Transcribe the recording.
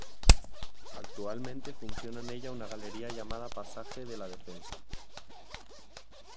Actualmente funciona en ella una galería llamada Pasaje de la Defensa.